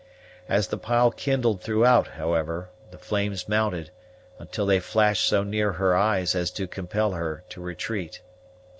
As the pile kindled throughout, however, the flames mounted, until they flashed so near her eyes as to compel her to retreat.